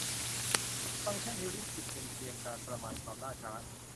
ฟังก์ชันฮิวริสติกเป็นเพียงการประมาณความล่าช้า